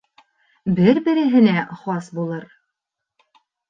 Бер-береһенә хас булыр.